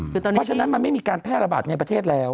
เพราะฉะนั้นมันไม่มีการแพร่ระบาดในประเทศแล้ว